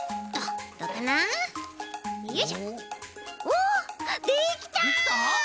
おっできた！